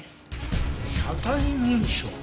車体認証。